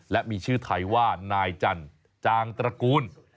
และมีชื่อไทยว่านายจันจางตระกูล